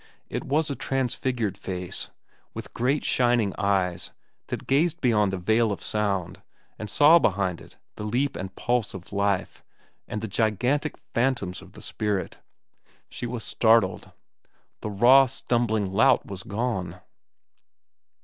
It was a transfigured face, with great shining eyes that gazed beyond the veil of sound and saw behind it the leap and pulse of life and the gigantic phantoms of the spirit. She was startled. The raw, stumbling lout was gone.